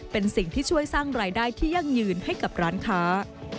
เป็นสิ่งที่ช่วยสร้างรายได้ที่ยั่งยืนให้กับร้านค้า